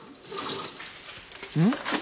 うん？